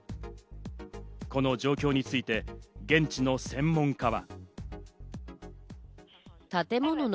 この状況について現地の専門家は。